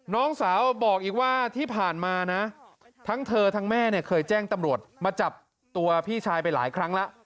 น้องสาวบอกอีกว่าที่ผ่านมานะทั้งเธอทั้งแม่เนี่ยเคยแจ้งตำรวจมาจับตัวพี่ชายไปหลายครั้งแล้ว